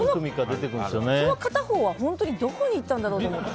その片方は本当にどこに行ったんだろうと思って。